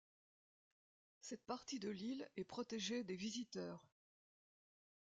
Cette partie de l'île est protégée des visiteurs.